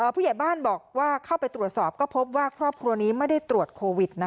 ผู้ใหญ่บ้านบอกว่าเข้าไปตรวจสอบก็พบว่าครอบครัวนี้ไม่ได้ตรวจโควิด